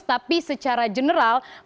tapi secara general